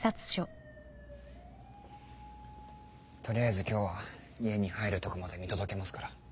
取りあえず今日は家に入るとこまで見届けますから。